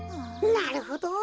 なるほど！